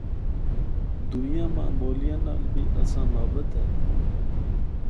دوئیاں ماں بولیاں نال بی اساں محبت اے۔